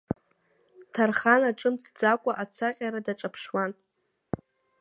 Ҭархана ҿымҭӡакәа ацаҟьара даҿаԥшуан.